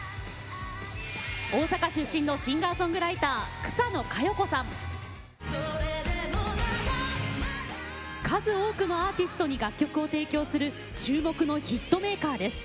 大阪出身の数多くのアーティストに楽曲を提供する注目のヒットメーカーです。